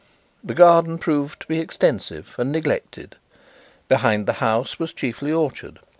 The garden proved to be extensive and neglected. Behind the house was chiefly orchard.